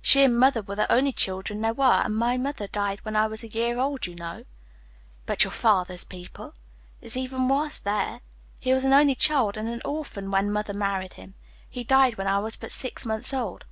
She and mother were the only children there were, and mother died when I was a year old, you know." "But your father's people?" "It's even worse there. He was an only child and an orphan when mother married him. He died when I was but six months old.